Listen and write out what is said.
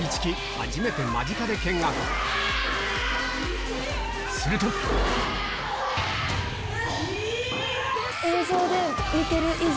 初めて間近で見学するとあ！